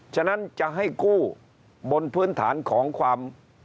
ฉะนั้นจะให้กู้บนพื้นฐานของความ